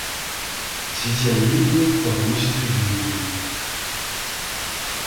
Цвіце ў ліпені, пладаносіць у жніўні.